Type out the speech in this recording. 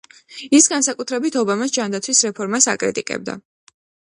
ის განსაკუთრებით ობამას ჯანდაცვის რეფორმას აკრიტიკებდა.